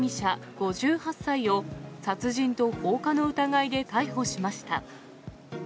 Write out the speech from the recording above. ５８歳を殺人と放火の疑いで逮捕しました。